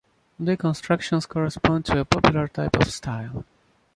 The constructions correspond to a popular type of style.